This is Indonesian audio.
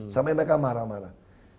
sampai mereka marah marah